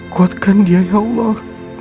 kuatkan dia ya allah